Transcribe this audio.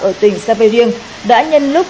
ở tỉnh sa vê riêng đã nhân lúc